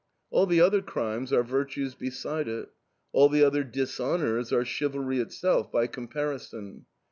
All the other crimes are virtues beside it; all the other dishonors are chivalry itself by comparison.